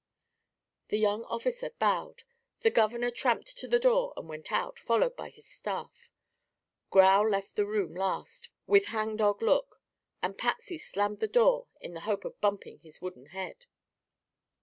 The young officer bowed; the governor tramped to the door and went out, followed by his staff. Grau left the room last, with hang dog look, and Patsy slammed the door in the hope of bumping his wooden head.